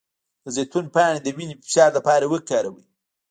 د زیتون پاڼې د وینې د فشار لپاره وکاروئ